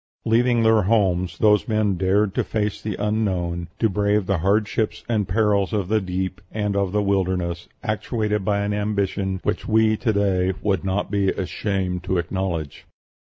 Leaving their homes, those men dared to face the unknown, to brave the hardships and perils of the deep and of the wilderness, actuated by an ambition which we to day would not be ashamed to acknowledge."